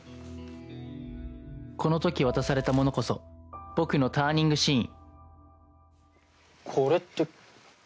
この時渡されたものこそ僕のターニングシーン